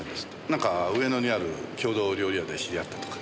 なんか上野にある郷土料理屋で知り合ったとか。